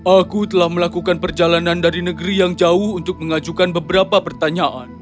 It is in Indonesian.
aku telah melakukan perjalanan dari negeri yang jauh untuk mengajukan beberapa pertanyaan